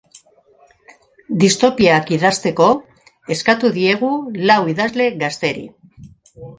Distopiak idazteko eskatu diegu lau idazle gazteri.